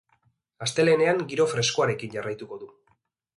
Astelehenean giro freskoarekin jarraituko du.